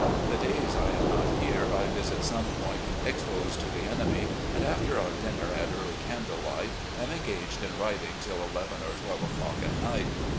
The days I am not here I visit some point exposed to the enemy, and after our dinner at early candle light, am engaged in writing till eleven or twelve o'clock at night.